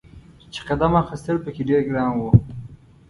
چې قدم اخیستل په کې ډیر ګران و.